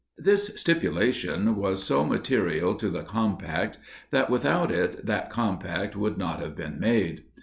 This stipulation was so material to the compact, that without it that compact would not have been made.